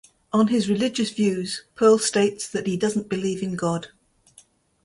On his religious views, Pearl states that he doesn't believe in God.